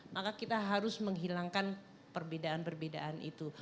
maka kita harus menghilangkan perbedaan perbedaan itu